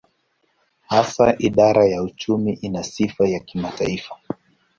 Hasa idara ya uchumi ina sifa za kimataifa.